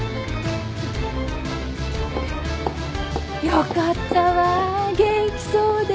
よかったわ元気そうで。